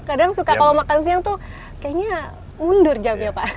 kadang suka kalau makan siang tuh kayaknya mundur jamnya pak